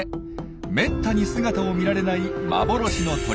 めったに姿を見られない「幻の鳥」